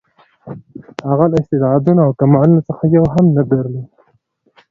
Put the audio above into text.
هغه له استعدادونو او کمالونو څخه یو هم نه درلود.